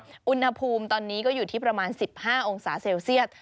อุณหภูมิตอนนี้ก็อยู่ที่ประมาณ๑๕องศาเซลเซียต